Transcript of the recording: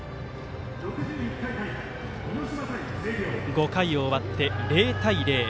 ５回終わって、０対０。